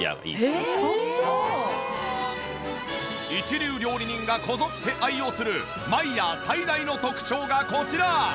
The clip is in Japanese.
一流料理人がこぞって愛用するマイヤー最大の特徴がこちら。